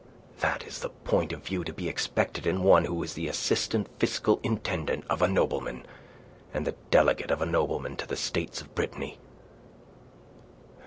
"That is the point of view to be expected in one who is the assistant fiscal intendant of a nobleman, and the delegate of a nobleman to the States of Brittany."